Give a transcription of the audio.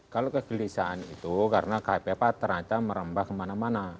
kalau kegelisahan itu karena kpap terancam merembah kemana mana